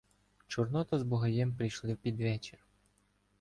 Чорнота з Бугаєм прийшли під вечір.